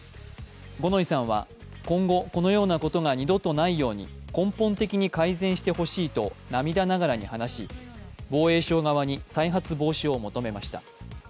五ノ井さんは今後、このようなことが二度とないように根本的に改善してほしいと涙ながらに話し防衛省側に再発防止を求めました。